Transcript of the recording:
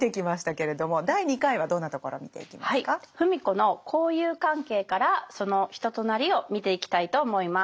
芙美子の交友関係からその人となりを見ていきたいと思います。